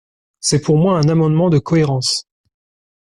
C’est pour moi un amendement de cohérence.